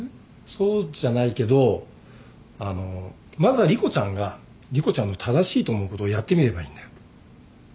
そうじゃないけどあのまずは莉湖ちゃんが莉湖ちゃんの正しいと思うことをやってみればいいんだよ。